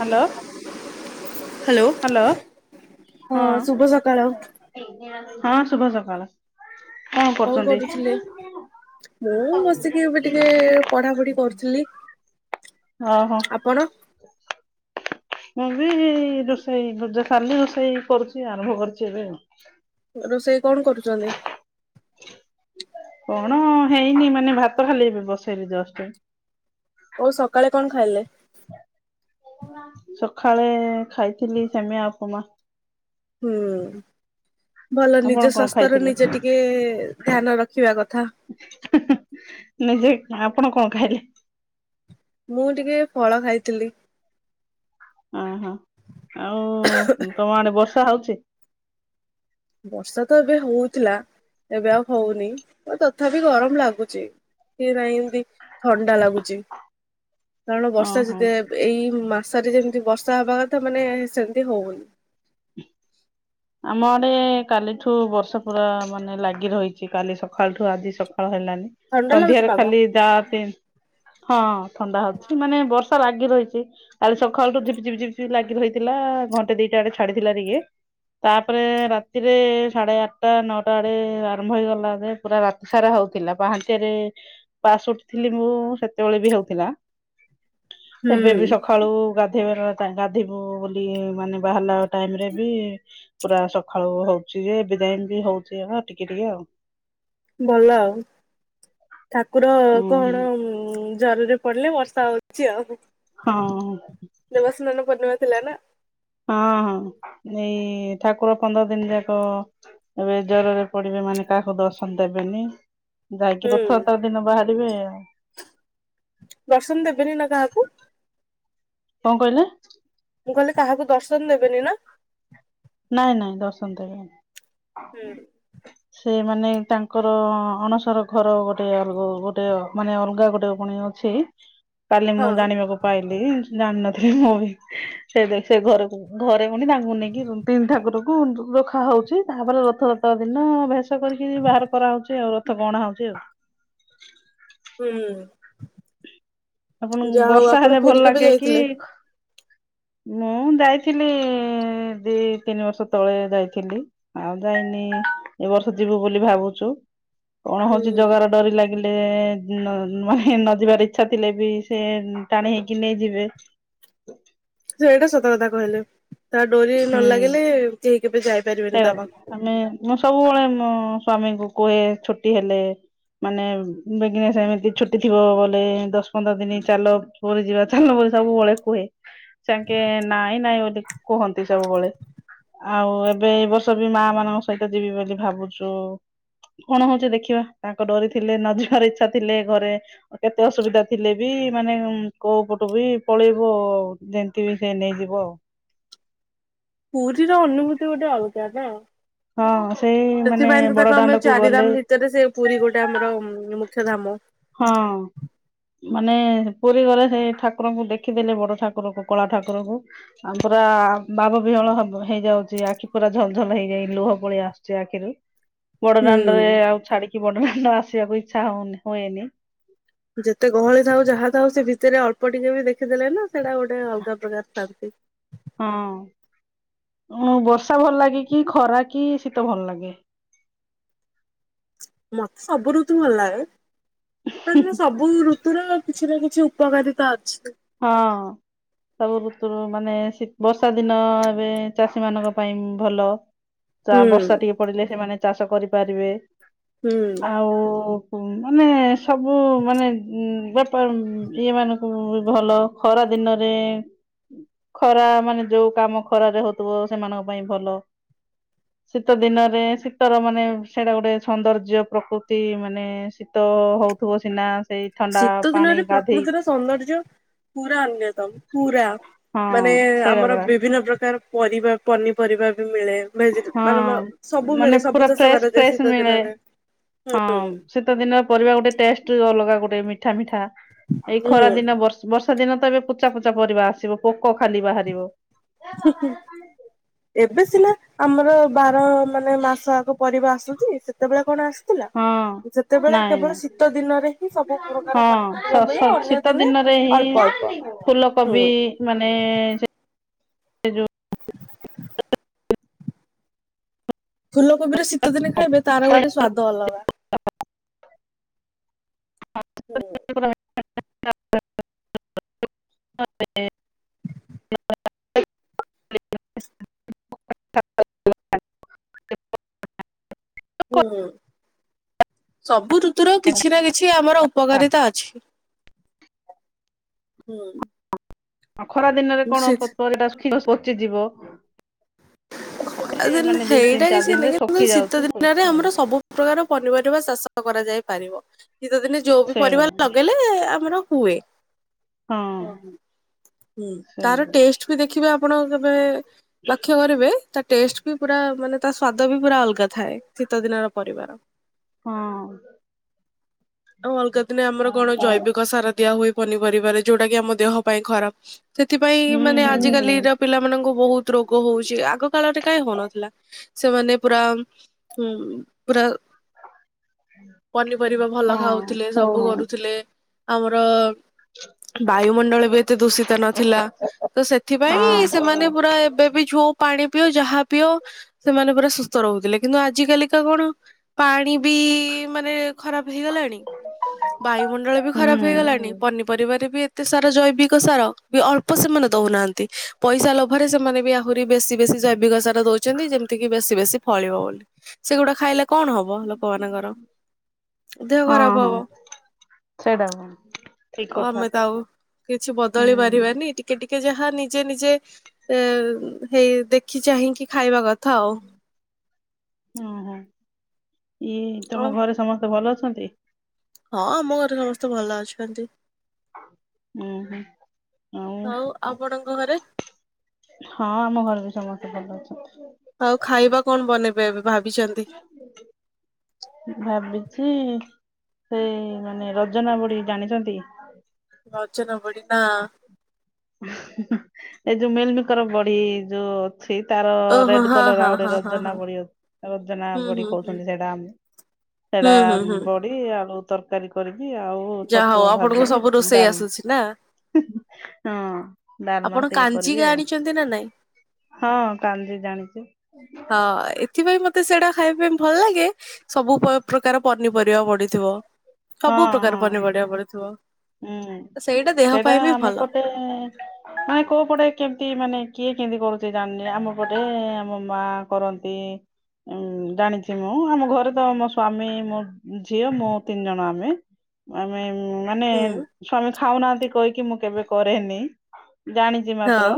Hello. Hello ହଁ। ଶୁଭ ସକାଳ ହଁ ଶୁଭ ସକାଳ କଣ କରୁଛନ୍ତି? ମୁଁ ବସିକି ଏବେ ଟିକେ ପଢାପଢି କରୁଥିଲି। ଓହୋ। ଆପଣ ମୁଁ ବି ରୋଷେଇ ଯ-ଯ ସାରିଲି ରୋଷେଇ କରୁଛି ଆରମ୍ଭ କରୁଛି ଏବେ ଆଉ। ରୋଷେଇ କଣ କରୁଛନ୍ତି? କଣ ହେଇନି ମାନେ ଭାତ ଖାଲି ଏବେ ବସେଇଲେ ଜଷ୍ଟ। ଓ ସକାଳେ କଣ ଖାଇଲେ? ସକାଳେ ଖାଇଥିଲି ଶିମିଆ ଉପମା। ହୁଁ। ଭଲ ଆପଣ ନିଜ କଣ ସ୍ୱାସ୍ଥ୍ୟର ଖାଇଥିଲେ ନିଜେ ଟିକେ ଧ୍ୟାନ ରଖିବା କଥା। ନିଜେ ଆପଣ କଣ ଖାଇଲେ? ମୁଁ ଟିକେ ଫଳ ଖାଇଥିଲି। ଓହୋ ଆଉ ତମ ଆଡେ ବର୍ଷା ହଉଛି? ବର୍ଷା ତ ଏବେ ହଉଥିଲା। ଏବେ ଆଉ ହଉନି ତଥାପି ଗରମ ଲାଗୁଚି। ସିରା ଇନନ୍ତି ଥଣ୍ଡା ଲାଗୁଛି। କାରଣ ବର୍ଷା ଓହୋ। ଯେତେ ଏଇ ମାସରେ ଯେମିତି ବର୍ଷା ହବା କଥା ମାନେ ସେମିତି ହଉନି। ହ [inaudible] ଆମ ଆଡେ କାଲିଠୁ ବର୍ଷା ପୁରା ମାନେ ଲାଗି ରହିଛି କାଲି ସକାଳଠୁ ଆଜି ସକ ଳ ହେଲାନି ଥଣ୍ଡା ଲାଗୁଛି ସନ୍ଧ୍ୟାରେ ପାଗ ଖାଲିଦା ପିନ ହଁ ହଁ। ଥଣ୍ଡା ହଉଛି ମାନେ ବର୍ଷା ଲାଗି ରହିଛି କାଲି ସକାଳୁ ଝିପିଝପି ଝିପି ଲାଗି ରହିଥିଲା ଘଣ୍ଟେ ଦି ଇଆଡେ ଛାଡିଥିଲା ଟିକେ। ତାପରେ ରାତିରେ ସାଢେ ଆଠଟା ନଅଟା ଆଡେ ଆରମ୍ଭ ହେଇଗଲା ଯେ ପୁରା ରାତି ସାରା। ହଉଥିଲା ପାହନ୍ତିଆରେ ପାଶ ଉଠିଥିଲି ମୁଁ ସେତେବେଳେ ବି ହଉଥିଲା। ହ [inaudible] ଏବେ ବି ସକାଳୁ ଗାଧେଇବାର ରା ଗାଧିବୁ ବୋଲି ମାନେ ବାହାରିଲା ଟାଇମରେ ବି ପୁରା ସକାଳୁ ହଉଛି ଯେ ଏବେଯାଏ ବି ହଉଛି ହେ ଟିକେ ଟିକେ ଆଉ। ଭଲ ଆଉ ଠାକୁର ହୁଁ ହୁଁ କଣ ଉଁ ଜରରେ ପଡିଲେ ବର୍ଷା ହଉଛି ଆଉ। ଦେବସ୍ନାନ ହଁ। ପୂର୍ଣ୍ଣିମା ଥିଲା ନା ହଁ ହଁ ଏଇ ଠାକୁର ପନ୍ଦର ଦିନ ଯାକ ଏବେ ଜରରେ ପଡିବେ। ସେମାନେ କାହାକୁ ଦର୍ଶନ ଦେବେନି ଯାଇକି ହୁଁ ରଥଯାତ୍ରା ଦିନ ବାହାରିବେ ଆଉ। ଦର୍ଶନ ଦେବେନି ନା କାହାକୁ? କଣ କହିଲେ? ମୁଁ କହିଲି କାହାକୁ ଦର୍ଶନ ଦେବେନି ନା? ନାଇଁ ନାଇଁ ଦର୍ଶନ ହୁଁ। ଦେବେନି। ସେମାନେ ତାଙ୍କର ଅ ଅଣସର ଘର ଗୋଟେ ଅଲଗ ଗୋଟେ ମାନେ ଅଲଗା ଗୋଟେ ପୁଣି ଅଛି। ଛି। କାଲି ହଁ ମୁଁ ଜାଣିବାକୁ ପାଇଲି ଜାଣିନଥିଲି ମୁଁ ବି ସେ ସେ ଘରକୁ ଘରେ ଫୁଣି ତାଙ୍କୁ ନେଇକି ତିନି ଠାକୁରକୁ ର ରଖା ହଉଛି ତାପରେ ରଥଯାତ୍ରା ଦିନ ବେ ଚାଷ କରିକି ବାହାର କରାହଉଛି ଆଉ ରଥ ଗଣା ହଉଛି ଆଉ। ହୁଁ ଆପଣଙ୍କୁ ଯା ହଉ ବର୍ଷା ହେଲେ ଆପଣ ଭଲ ପୁରୀ କେବେ ଲାଗେ କି ଯାଇଥିଲେ। ମୁଁ ଯାଇଥିଲି ଦି ତିନି ବର୍ଷ ତଳେ ଯାଇଥିଲି ଆଉ ଯାଇନି। ଏ ବର୍ଷ ଯିବୁ ବୋଲି ଭାବୁଛୁ କଣ ହୁଁ ହଉଛି ଜଗାର ଡୋରି ଲାଗ ଲେ ମାନେ ନ ଯିବାର ଇଚ୍ଛା ଥିଲେ ବି ସେ ଟାଣି ହେଇକି ନେଇଯିବେ। ସେଇଟା ସତକଥା କହିଲେ। ତା ଡୋରି ନ ହୁଁ ଲାଗିଲେ କେହି କେବେ ଯାଇପାରିବେନି ସେଇଆ ତା ପାଖକୁ ଆମେ ମୁଁ ସବୁବେଳେ ମୋ ସ୍ଵାମୀଙ୍କୁ କୁହେ ଛୁଟି ହେଲେ ମାନେ ବିଘ୍ନେଶ ଭାଇ ଙ୍କ ଛୁଟି ଥିବ ବଲେ ଦଶ ପନ୍ଦର ଦିନ ଚାଲ ପୁରୀ ଯିବା ଚାଲ ପ ସବୁବେଳେ କୁହେ ତାଙ୍କେ ନାଇଁ ନାଇଁ ବୋଲି କୁହନ୍ତି ସବୁବେଳେ। ଆଉ ଏବେ ଏଇ ବର୍ଷ ବି ମା ମାନଙ୍କ ସହିତ ଯିବି ବୋଲି ଭାବୁଛୁ। କଣ ହଉଛି ଦେଖିବା, ତାଙ୍କ ଡୋରି ଥିଲେ ନ ଯିବାର ଇଛା ଥିଲେ, ଘରେ କେତେ ଅସୁବିଧା ଥିଲେ ବି ମାନେ କୋଉ ପଟୁ ବି ପଳେଇବ ଆ ଯେମିତି ବି ସେ ନେଇଯିବ ଆଉ ପୁରୀ ର ଅନୁଭୂତି ଗୋଟେ ଅଲଗା ନା? ହଁ ସେଇ ମାନେ ସେଥିପାଇଁ ତ ବଡ ତାକୁ ଆମ ଦାଣ୍ଡକୁ ଗଲେ ଚାରିଧାମ ଭିତରେ ସେ ପୁରୀ ଗୋଟେ ଆମର ମୁଖ୍ୟଧାମ ହଁ ମାନେ ପୁରୀ ଗଲେ, ସେ ଠାକୁରଙ୍କୁ ଦେଖିଦେଲେ, ବଡ ଠାକୁରକୁ, କଳା ଠାକୁରଙ୍କୁ ଆ ପୁରା ବାବ ବିହଳ ହେଇଯାଉଛି ଆଖି ପୁରା ଝଲ ଝଲ ହେଇଯାଇ ଲୁହ ପଳେଇ ଆସୁଛି ଆଖିରୁ ବଡଦାଣ୍ଡ ହୁଁ। ରେ ଆଉ ଛାଡିକି ବଡଦାଣ୍ଡ ଆସିବାକୁ ଇଛା ହଉନ ହୁଏନି। ଯେତେ ଗହଳି ଥାଉ ଯାହା ଥାଉ ସେ ଭିତରେ ଅଳ୍ପ ଟିକେ ବି ଦେଖିଦେଲେ ନା ସେଇଟା ଗୋଟେ ଅଲଗା ପ୍ରକାର ଥାଆନ୍ତି। ହଁ ଅଁ ଉ ବର୍ଷା ଭଲ ଲାଗେ କି, ଖରା କି, ଶୀତ ଭଲ ଲାଗେ? ମତେ ସବୁ ଋତୁ ଭଲ ଲାଗେ, ସବୁ ଋତୁ ତ କିଛି ନା କିଛି ଉପକାରିତା ଅଛି। ହଁ ସବୁ ଋତୁରୁ ମାନେ ବର୍ଷା ଦିନ ଏବେ ଚାଷୀ ମାନଙ୍କ ପାଇଁ ଭଲ। ହୁଁ ବର୍ଷା ଟିକେ ପଡିଲେ ସେମାନେ ଚାଷ କରିପାରିବେ ହୁଁ ଆଉ ମାନେ ସବୁ ମାନେ ବେପାର ଇଏ ମାନଙ୍କୁ ଭଲ ଖରା ଦିନରେ ଖରା ମାନେ ଯୋଉ କାମ ଖରାରେ ହଉଥିବ ସେମାନଙ୍କ ପାଇଁ ଭଲ ଶୀତ ଦିନରେ ଶୀତର ମାନେ ସେଇଟା ଗୋଟେ ସୌନ୍ଦର୍ଯ୍ୟ ପ୍ରକୃତି ମାନେ ଶୀତ ହଉଥିବ ସିନା। ସେଇ ଥଣ୍ଡା ଶୀତ ପାଣି ଦିନରେ ଗାଧେଇ ପ୍ରକୃତିର ସୌନ୍ଦର୍ଯ୍ୟ ପୁରା ଅନ୍ୟତମ ପୁରା, ହଁ ମାନେ- ସେଇଟା ଆମର ପରା ବିଭିନ୍ନ ପ୍ରକାର ପରିବା ପନିପରିବା ବି ମିଳେ ଭେଜି- ମାନେ ହଁ ସବୁ ମାନେ ମିଳେ ସବୁ ପୁରା ଚାଷ ଫ୍ରେଶ କରାଯାଏ ଫ୍ରେଶ ଶୀତ ମିଳେ। ଦିନରେ। ହଁ ଶୀତ ଦିନର ପରିବା ଗୋଟେ ଟେଷ୍ଟ ଅଲଗା। ଗୋଟେ ମିଠା ମିଠା ଏଇ ହୁଁ ଖରା ଦିନ ବର୍ଷା ଦିନ ତ ଏବେ ପୂଚା ପୁଚା ପରିବା ଆସିବ, ପୋକ ଖାଲି ବାହାରିବ। [unintelligible] ଏବେ ସିନା ଆମର ବାର ମାନେ ମାସ ଆଗ ପରିବା ଆସୁଛି ସେତେବେଳେ କଣ ଆସୁ ଥିଲା, ହଁ ସେତେବେଳେ ନାଇଁ କେବଳ ନାଇଁ ଶୀତ ଦିନରେ ହିଁ ସବୁ ପ୍ରକାର ସ ପନିପରିବା ମିଳେ, ସ ଅନ୍ୟ ଶୀତ ଦିନେ ଦିନରେ ଅଳ୍ପ ଅଳ୍ପ ହଁ ଫୁଲକୋବି ହୁଁ ମାନେ ସେ ଯୋଉ ଫୁଲକୋବିର ଶୀତ ଦିନ ଖାଇବେ ତାର ଗୋଟେ ସ୍ଵାଦ ଅଲଗା। ହୁଁ [unintelligible] [inaudible] [inaudible] ହୁଁ ସବୁ ଋତୁର କିଛି ନା କିଛି ଆମର ଉପକାରିତା ଅଛି। ହୁଁ ଉଁ ଆଉ ଖରା ଦିନରେ କଣ ପରିବାଟା ଶୁଖିକି ପଚିଯିବ। [inaudible] ଆ ତାହେଲେ ମାନେ ଦି ତିନି ହେଇଟା ଚାରି କିଛି ଦିନରେ ନାଇଁ କିନ୍ତୁ ଶୁଖି ଶୀତ ଯାଉଛି ଦିନରେ ପଚି ଆମର ଯାଉଛି ସବୁ ପ୍ରକାର ପନିପରିବା ଚାଷ କରାଯାଇ ପାରିବ। ଶୀତ ଦିନେ ଯୋଉ ବି ସେଣୁ ପରିବା ଲଗେଇଲେ ଆମର ହୁଏ। ହଁ। ତାର ସେଇଆ ଟେଷ୍ଟ ବି ଦେଖିବେ ଆପଣ କେବେ ଲକ୍ଷ୍ୟ କରିବେ, ତା ଟେଷ୍ଟ ବି ପୁରା ମାନେ ତା ସ୍ଵାଦ ବି ପୁରା ଅଲଗା ଥାଏ। ଶୀତ ଦିନର ପରିବା ର। ହଁ। ଆଉ ଅଲଗା ଦିନେ ଆମର ଆଉ କଣ ଜୈବିକ ସାର ଦିଆ ହୁଏ। ପନିପରିବାରେ ଯୋଉଟା କି ଆମ ଦେହ ପାଇଁ ଖରାପ। ସେଥିପାଇଁ ହୁଁ ମାନେ ହୁଁ ଆଜିିକାଲିର ପିଲାମାନଙ୍କୁ ବହୁତ ରୋଗ ହଉଚି। ଆଗ କାଳରେ କାଇଁ ହଉନଥିଲା? ସେମାନେ ପୁରା ପୁରା ପନିପରିବା ଭଲ ହଁ ଖାଉଥିଲେ, ସବୁ କରୁଥିଲେ ଆମର [inaudible] ବାୟୁମଣ୍ଡଳ ବି ଏତେ ଦୂଷିତ ନଥିଲା। ତ ସେଥିପାଇଁ ହଁ ସେମାନେ ପୁରା ଏବେ ବି ଯୋଉ ପାଣି ପିଅ ଯାହା ପିଅ ସେମାନେ ପୁରା ସୁସ୍ଥ ରହୁଥିଲେ। କିନ୍ତୁ ଆଜି କାଲିକା କଣ ପାଣି ବି ମାନେ ଖରାପ ହେଇଗଲାଣି। ବାୟୁମଣ୍ଡଳ ବି ହୁଁ ଖରାପ ହେଇଗଲାଣିି। ପନି ପରିପରିବା ରେ ବି ଏତେ ସାରା ଜୈବିକ ସାର ବି ଅଳ୍ପ ସେମାନେ ଦଉନାହାନ୍ତି। ପଇସା ଲୋଭରେ ସେମାନେ ବି ଆ ଆହୁରି ବେଶୀ ବେଶୀ ଜୈବିକ ସାର ଦଉଛନ୍ତି। ଯେମିତି କିି ବେଶୀ ବେଶୀ ଫଳିବ ବୋଲି। ସେଗୁଡା ଖାଇଲେ କଣ ହବ ଲୋକମାନାନଙ୍କର? ଦେହ ହଁ ଖରାପ ହଁ। ହବ। ସେଇଟା କୁ ଠିକ ଆଉ କଥା ଆମେ ତ ଆଉ କିଛି ହୁଁ ବଦଳି ପାରିବାନି। ଟିକେ ଟିକେ ଟିକେ ଯାହା ନିଜେ ନିଜେ ଏ ହେଇ ଦେଖି ଚାହିଁକି ଖାଇବା କଥା ଆଉ। ଓହୋ ଇଏ, ତମ ଆଉ ଘରେ ସମସ୍ତେ ଭଲ ଅଛନ୍ତି? ହଁ ଆମ ଘରେ ସମସ୍ତେ ଭଲ ଅଛନ୍ତି। ଉଁ ହୁଁ ଆଉ ଆପଣଙ୍କ ଘରେ ହଁ, ଆମ ଘର ବି ସମସ୍ତେ ଭଲ ଅଛନ୍ତି। ଆଉ, ଖାଇବା କଣ ବନେଇବେ ଏବେ ଭାବିଛନ୍ତି? ଭାବିଛି [unintelligible] ଜାଣିଛନ୍ତି। ରଜନା ବଢି ନା। ଏଇ ଯୋଉ ମିଲମିକର ବଡି ଯୋଉ ସେଇ ତାର ଓହୋ ରେଡ ହଁ କଲର ହଁ ଆଉ ଗୋଟେ ହଁ ହଁ ରଜନା ହଁ ବଡି ଅଛି, ରଜନା ହୁଁ ବଡି ହୁଁ ହୁଁ। କହୁଛନ୍ତି। ସେଇଟା ଆମେ ସେଟା ହୁଁ ହୁଁ ହୁଁ ବଡି ଆଳୁ ତରକାରୀ କରିକି ଆଉ ଯାହା ହଉ ଛତୁ ଆପଣଙ୍କୁ ଭାଜିବି ସବୁ ରୋଷେଇ ଡାଲି, ଆସୁଛି ନା? ହଁ। ଡାଲମା ଆପଣ ଟିକିଏ କରିବି କାଞ୍ଜିିକା ଆଉ। ଆଣିଛନ୍ତି ନା ନାଇଁ ହଁ କାଲି ଜାଣିଚି। ସେଟା ଖାଇବା ପାଇଁ ଭଲ ଲାଗେ। ସବୁ ପ୍ରକାର ପନିପରିବା ପଡିଥିବ। ହଁ ସବୁ ପ୍ରକାର ହଁ। ପନିପରିବା ପଡିଥିବ। ହୁଁ, ସେଇଟା ଦେହ ସେଟା ପାଇଁ ବି ଆମ ଭଲ ପଟେ ମାନେ କୋଉ ପଟେ କେମତି ମାନେ କିଏ କେମିତି କରୁଛି ଜାଣିନି ଆମ ପଟେ ଆମ ମା କରନ୍ତି। ଉଁ, ଜାଣିଛି ମୁଁ। ଆମ ଘରେ ତ ମୋ ସ୍ଵାମୀ ମୋ ମୋ ଝିଅ ମୁଁ ତିନି ଜଣ ଆମେ। ଆମେ ମାନେ ହଁ। ସ୍ୱାମୀ ଖାଉନାହାନ୍ତି କହିକି, ମୁଁ କେବେ କରେନି। ଜାଣିଛି ମାତ୍ର।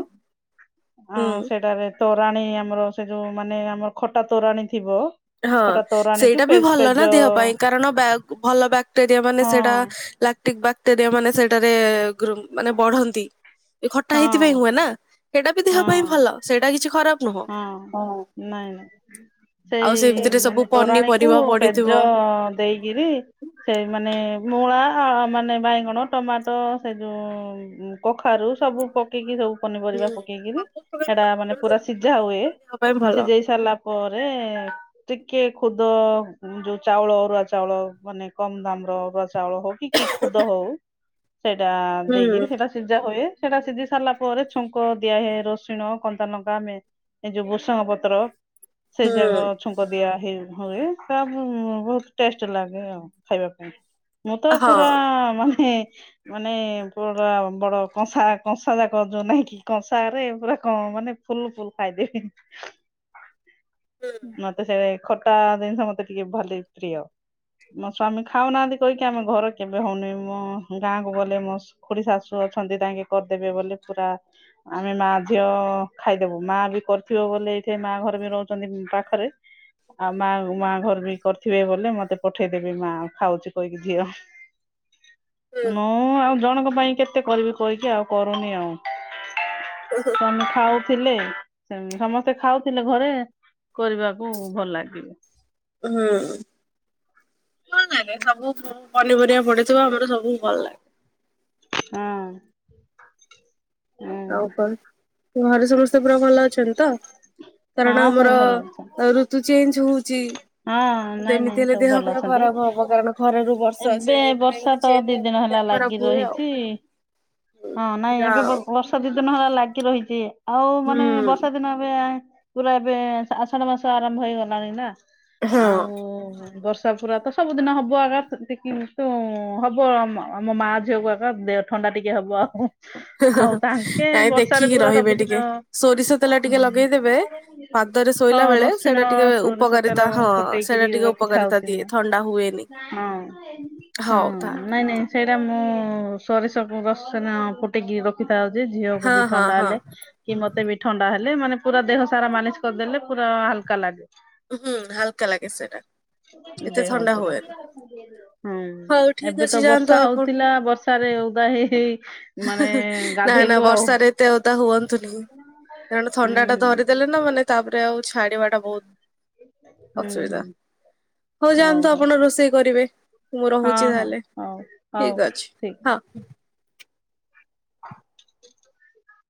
ଅଁ ହୁଁ। ସେଟାରେ ତୋରାଣୀ ଆମର ସେ ଯୋଉ ମାନେ ଆମର ଖଟା ତୋରାଣୀ ଥିବ। ହଁ, ଖଟା ତୋରାଣୀ କି ସେଇଟା ବି ପେ ଭଲ ପେଜ ନା ଦେହ ପାଇଁ କାରଣ ଭଲ ବ୍ୟାକ୍ଟେରିଆ ମାନେ ହଁ ସେଟା ଲାକ୍ଟିକ୍ ବା ବ୍ୟାକ୍ଟେରିଆ ମାନେ ସେଇଟାରେ ମାନେ ବଢନ୍ତି। ଖଟା ହଁ ହେଇଥିପାଇଁ ହୁଏ ନା। ସେଇଟା ବି ଦେହ ହଁ ପାଇଁ ଭଲ। ସେଇଟା କିଛି ଖରାପ ନୁହଁ। ହଁ, ନାଇଁ ନାଇଁ। ସେ ଆଉ ସେଇ ଭିତରେ ସବୁ ମାନେ ତୋରାଣୀକୁ ପନିପରିବା ପଡିଥିବ ପେଜ ଦେଇକିରି। ସେ ମାନେ ମୂଳା। ଆ! ମାନେ ବାଇଗଣ ଟମାଟୋ ସେ ଯୋଉ କଖାରୁ ସବୁ ପକେଇକି ସବୁ। ହୁଁ। ପନିପରିବା ପକେଇକିରି ସବୁ ପ୍ରକାର ସେଟା ମାନେ ପନିପରିବା ପୁରା ସେଥିରେ ସିଝା ପଡେ ହୁଏ ସେଇଟା ବି ଦେହ ପାଇଁ ଭଲ ସିଝେଇ ସାରିଲା ପରେ ମାନେ ଟିକେ ଖୁଦ ଯୋଉ ଚାଉଳ ଅରୁଆ ଚାଉଳ ମାନେ କମ ଦାମର ଅରୁ ଚାଉ ଚାଉଳ ହଉ କି କି ଖୁଦ ହଉ ସେଇଟା ହୁଁ। ଦେଇକିରି ସେଇଟା ସିଝା ହୁଏ। ସେଟା ସିଝି ସାରିଲା ପରେ ଛୁଙ୍କ ଦିଆହେଏ ରସୁଣ କଞ୍ଚା ଲଙ୍କା ମେ ଏଇ ଯୋଉ ଭୁଷଙ୍ଗ ପତ୍ର ସେ ହୁଁ ଯାକ ଛୁଙ୍କ ଦିଆ ହେଇ। ହୁଏ ତା ପ ବହୁତ ଟେଷ୍ଟ ଲାଗେ ଆଉ ଖାଇବା ପାଇଁ ମୁଁ ତ ହଁ ପୁରା ମାନେ ମାନେ ପୁରା ବଡ କଂସା କଂସା ଯାକ ଯଉ ନାଇଁ କି କଂସା ରେ ପୁରା କଣ ମାନେ ଫୁଲ ଫୁଲ ଖାଇଦିଏ ମତେ ସେ ଖଟା ଜିନିଷ ମତେ ଟିକେ ଭଲେ କି ପ୍ରିୟ। ମୋ ସ୍ଵାମୀ ଖାଉନାହାନ୍ତି କହିକି ଆମେ ଘର କେବେ ହଉନିମୁଁ ମୋ ଗାଁକୁ ଗଲେ ମୋ ଖୁଡି ଶାଶୁ ଅଛନ୍ତି ତାଙ୍କେ କରିଦେବେ ବଲେ ପୁରା ଆମେ ମା ଝିଅ ଖାଇଦେବୁ। ମା ବି କରିଥିବ ବୋଲେ ଏଇଠେ ମା ଘର ବି ରହୁଛନ୍ତି ପାଖରେ ଆଉ ମା ମାଆ ଘର ବି କରିଥିବେ ବୋଲେ ମତେ ପଠେଇଦେବି ମା ଖାଉଛି କହିକି ଝିଅ। ମୁଁ ଆଉ ଜଣଙ୍କ ପାଇଁ କେତେ କରିବି କହିକି ଆଉ କରୁନି ଆଉ। ସ୍ୱାମୀ ଖାଉଥିଲେ ସମସ୍ତେ ଖାଉଥିଲେ ଘରେ କରିବାକୁ ଭଲ ଲାଗିବ। ହୁଁ। ଭଲ ଲାଗେ ସବୁ ପନିପରିବା ପଡିଥିବ ଆମର ସବୁ ଭଲ ଲାଗେ। ହୁଁ ଆଉ କଣ ହୁଁ। ଘରେ ସମସ୍ତ [unintelligible] ଭଲ ଅଛନ୍ତି ତ କାରଣ ହଁ ସବୁ ଆମର ଭଲ ଅଛନ୍ତି ଋତୁ ଚେଞ୍ଜ ହୋଉଛି। ହଁ ନାଇଁ ନାଇଁ ସବୁ ଭଲ ଅଛନ୍ତି ଖରାପ ହବ କାରଣ ଖରାରୁ ବର୍ଷା ସେ ଏବେ ମାନେ ବର୍ଷା ଏମିତି ତ ଚେଞ୍ଜ ଦିନେ [unintelligible] ହେଲେ ହେଲା ଦେହ ଖରାପ ଲାଗି ହୁଏ ଆଉ। ରହିଛି ହଁ ନାଇଁ ଯା ଏବେ ହଉ ବର୍ଷା ଦି ଦିନ ହେଲା ଲାଗି ରହିଛି ଆଉ ମାନେ ବର୍ଷା ହୁଁ ଦିନ ଏବେ ପୁରା ଏବେ ଆଷାଢ ମାସ ଆରମ୍ଭ ହେଇଗଲାଣି ନା ହଁ। ଆଉ ବର୍ଷ [unintelligible] ପୁରା ତ ସବୁଦିନ ହବ ଆଗ କିନ୍ତୁ ହବ ଆମ ମା ଝିଅକୁ ଆଗ ଦେହ ଥଣ୍ଡା [unintelligible] ଟିକେ ହବ। ଆଉ ତାଙ୍କେ ନାଇଁ ବର୍ଷାରେ ଦେଖିକି ପୁରା ରହିବେ ଟିକେ ସବୁଦିନ। ସୋରିଷ ତେଲ ଟିକେ ଲଗେଇଦେବେ। ପାଦରେ ହଁ ଶୋଇଲା ବେଳେ ରସୁଣ ସେଇଟା ଟିକେ ସୋରିଷ ତେଲ ଉପକାରିତା ହଁ ସେଇଟା ଫୁଟେଇକରି ଟିକେ ରଖିଥାଉ ଉପକାରିତା ଦିଏ କିନି ଥଣ୍ଡା ହୁଏନି। ହ ହଉ ତାହେଲେ ନାଇଁ ନାଇଁ ସେଇରା ମୁଁ ସୋରିଷକୁ ରସ ଫୁଟେଇକି ରଖି ଖାଉଛେ ଝିଅକୁ ହଁ ବି ହଁ ଥଣ୍ଡା ହଁ ହେଲେ କି ମତେ ବି ଥଣ୍ଡା ହେଲେ ହେଲେ ମାନେ ପୁରା ଦେହ ସାରା ମାଲିସ କରିଦେଲେ ପୁରା ହାଲକା ଲାଗେ। ହୁଁ ହାଲକା ଲାଗେ ସେଟା। ଦେହ ପରା ହୁଁ ହଉ ଠିକ ଏବେ ଅଛି ତ ଯାଆନ୍ତୁ ବର୍ଷା ଆପଣ ହଉଥିଲା ବର୍ଷାରେ ରେ ଉଦା ହେଇ ହେଇ ମାନେ ନା ନା ଗାଧେଇଲୁ ଆଉ। ବର୍ଷାରେ ଏତେ ଓଦା ହୁଅନ୍ତୁନି। କାରଣ ହୁଁ ଥଣ୍ଡା ଟା ହୁଁ ଧରିଦେଲେ ନା ମାନେ ତାପରେ ଆଉ ଛାଡିବା ଟା ବହୁତ ଅସୁବିଧା। ହୁଁମ। ହଉ ଯାଆନ୍ତୁ ଆପଣ ରୋଷେଇ କରିବେ। ମୁଁ ହଁ ରହୁଛି ହଁ ତାହେଲେ ହଉ ହଉ ଠିକ ଅଛି ହଁ। ହ